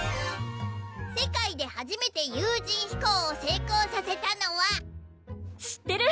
世界で初めて有人飛行を成功させたのは知ってる！